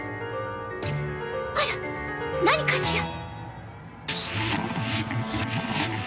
あら何かしら？